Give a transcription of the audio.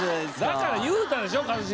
だから言うたでしょ一茂さん